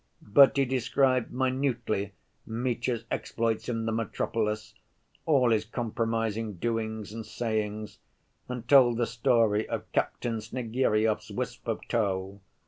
But he described minutely Mitya's exploits in the "Metropolis," all his compromising doings and sayings, and told the story of Captain Snegiryov's "wisp of tow."